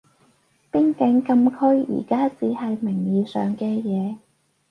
邊境禁區而家只係名義上嘅嘢